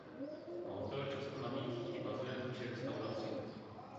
Hotel často nabízí i bazén či restauraci.